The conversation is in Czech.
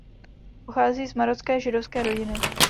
Pochází z marocké židovské rodiny.